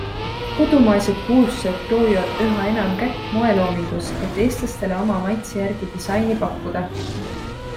Kodumaised kuulsused proovivad üha enam kätt moeloomingus, et eestlastele oma maitse järgi disaini pakkuda.